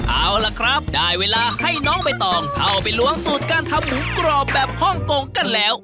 เอาล่ะครับได้เวลาให้น้องใบตองเข้าไปล้วงสูตรการทำหมูกรอบแบบฮ่องกงกันแล้ว